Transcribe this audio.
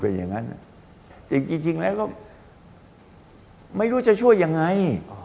เป็นอย่างนั้นจริงแล้วก็ไม่รู้จะช่วยยังไง